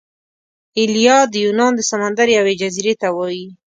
ایلیا د یونان د سمندر یوې جزیرې ته وايي.